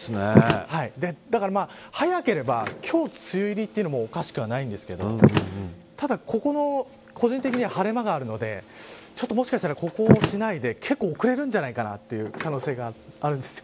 だから、早ければ今日梅雨入りというのもおかしくはないんですけどただ、ここの個人的に晴れ間があるのでもしかしたら、ここを梅雨としないで結構、遅れるんじゃないかという可能性があるんです。